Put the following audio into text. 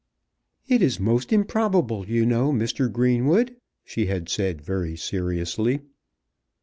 "It is most improbable, you know, Mr. Greenwood," she had said very seriously.